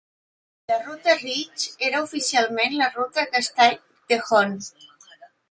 La ruta Ridge era oficialment la ruta Castaic-Tejon.